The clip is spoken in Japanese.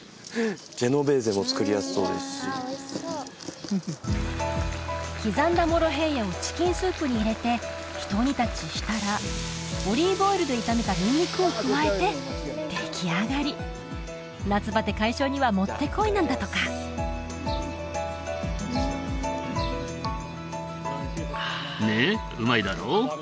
ジェノベーゼも作りやすそうですし刻んだモロヘイヤをチキンスープに入れてひと煮立ちしたらオリーブオイルで炒めたニンニクを加えて出来上がり夏バテ解消にはもってこいなんだとかあねっうまいだろ？